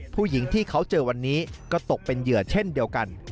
ผู้หญิงที่เขาเจอวันนี้ก็ตกเป็นเหยื่อเช่นเดียวกัน